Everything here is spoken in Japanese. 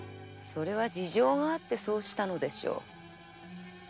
それは事情があってそうしたのでしょう。